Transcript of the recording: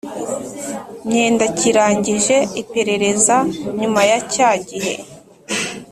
Myendakirangije iperereza nyuma ya cya gihe